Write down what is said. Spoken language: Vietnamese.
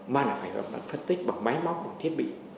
mà phải được phân tích bằng máy móc bằng thiết bị